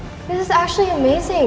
ini beneran luar biasa